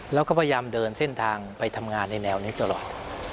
แล้วก็พยายามเดินเส้นทางไปทำงานในแนวนี้ตลอด